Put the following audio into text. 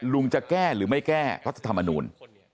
จะแก้หรือไม่แก้รัฐธรรมนูล